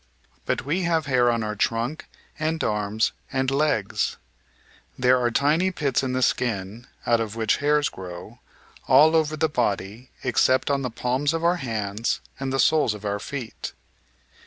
But we have hair on our trunk and arms and legs; there are tiny pits in the skin, out of which hairs grow, all over the body except on the palms of our hands and the soles of our feet.